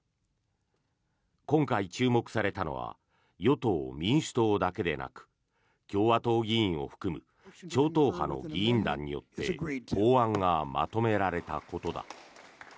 今回、注目されたのは与党・民主党だけでなく共和党議員を含む超党派の議員団によって法案がまとめられたことだ。